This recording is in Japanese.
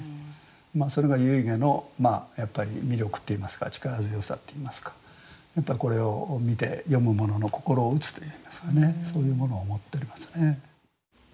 まあそれが遺偈の魅力っていいますか力強さっていいますかまたこれを見て読む者の心を打つといいますかねそういうものを持っておりますね。